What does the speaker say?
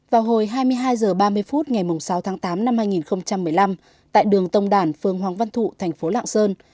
vào hồi hai mươi hai h ba mươi phút ngày sáu tháng tám năm hai nghìn một mươi năm tại đường tông đản phương hoàng văn thụ thành phố lạng sơn